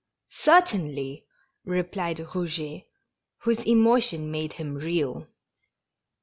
" Certainly," replied Eouget, whose emotion made him reel.